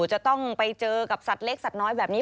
จะต้องไปเจอกับสัตว์เล็กสัตว์น้อยแบบนี้